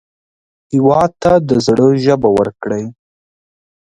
هېواد ته د زړه ژبه ورکړئ